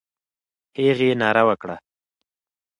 هغې ناره وکړه.